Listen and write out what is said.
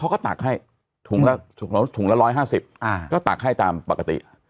ก็ตักให้ถุงละถุงละร้อยห้าสิบอ่าก็ตักให้ตามปกติ